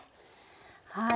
はい。